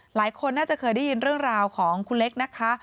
หลายคนน่าจะเคยได้ยินเรื่องราวของคุณเล็กนะคะ